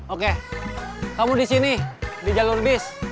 oke kamu disini di jalur bis